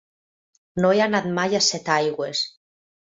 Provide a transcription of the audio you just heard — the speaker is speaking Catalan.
No he anat mai a Setaigües.